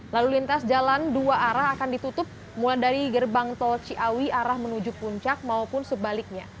lalu lintas jalan dua arah akan ditutup mulai dari gerbang tol ciawi arah menuju puncak maupun sebaliknya